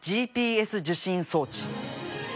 ＧＰＳ受信装置。